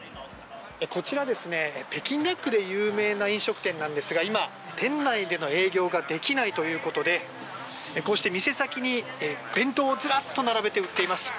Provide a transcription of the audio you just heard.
こちら北京ダックで有名な飲食店ですが今、店内での営業ができないということでこうして店先に弁当をずらっと並べて売っています。